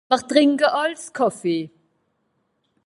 Mr trìnke àls Kàffé